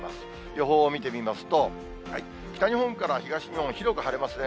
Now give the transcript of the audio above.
予報を見てみますと、北日本から東日本、広く晴れますね。